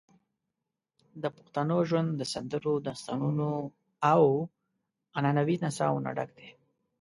د پښتنو ژوند د سندرو، داستانونو، او عنعنوي نڅاوو نه ډک دی.